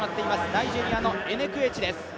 ナイジェリアのエネクエチです。